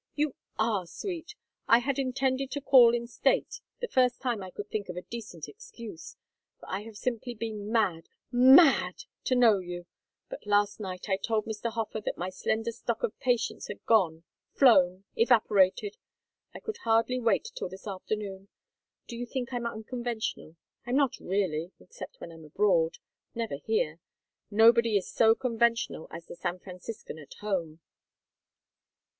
"You are sweet! I had intended to call in state the first time I could think of a decent excuse, for I have simply been mad mad to know you. But last night I told Mr. Hofer that my slender stock of patience had gone flown evaporated. I could hardly wait till this afternoon! Do you think I'm unconventional? I'm not really, except when I'm abroad never here. Nobody is so conventional as the San Franciscan at home."